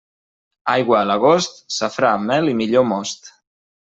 Aigua a l'agost, safrà, mel i millor most.